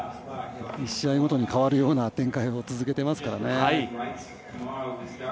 １試合ごとに変わるような展開を続けていますからね。